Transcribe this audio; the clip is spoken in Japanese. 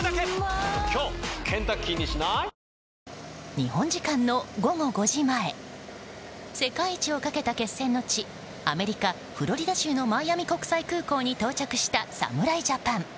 日本時間の午後５時前世界一をかけた決戦の地アメリカ・フロリダ州のマイアミ国際空港に到着した侍ジャパン。